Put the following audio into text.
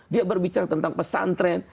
dia berbicara tentang pesantren